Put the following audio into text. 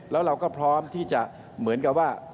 แล้วเราก็พร้อมที่จะเหมือนกับว่า